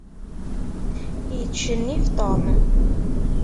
Yettcennif Tom.